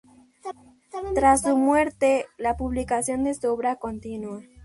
Tras su muerte, la publicación de su obra continúa.